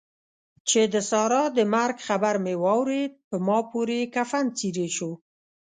چې د سارا د مرګ خبر مې واورېد؛ په ما پورې کفن څيرې شو.